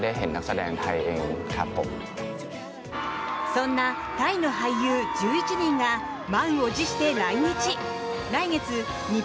そんなタイの俳優１１人が満を持して来日。